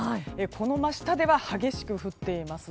この真下では激しく降っています。